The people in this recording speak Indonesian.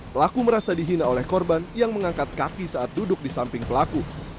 pelaku merasa dihina oleh korban yang mengangkat kaki saat duduk di samping pelaku